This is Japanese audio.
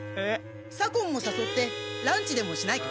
左近をさそってランチでもしないか？